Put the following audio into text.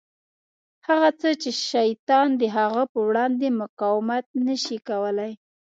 هغه څه چې شیطان د هغه په وړاندې مقاومت نه شي کولای.